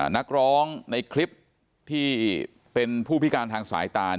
นักร้องในคลิปที่เป็นผู้พิการทางสายตา